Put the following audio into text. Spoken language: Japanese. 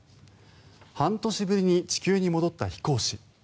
半年ぶりに地球に戻った飛行士。